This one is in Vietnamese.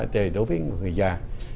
để đối với người già